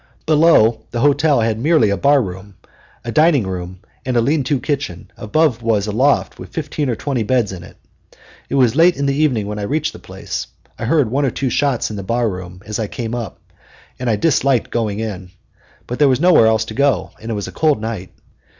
Below the hotel had merely a bar room, a dining room, and a lean to kitchen; above was a loft with fifteen or twenty beds in it. It was late in the evening when I reached the place. I heard one or two shots in the bar room as I came up, and I disliked going in. But there was nowhere else to go, and it was a cold night.